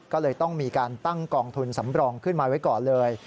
ก็เลยต้องมีการตั้งกองทุนสำรองขึ้นมาไว้ก่อนเลย